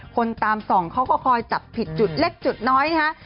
คนตามส่องเขาก็คอยจับผิดจุดเล็กจุดน้อยนะฮะ